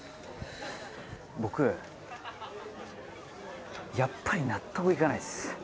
僕やっぱり納得いかないっす。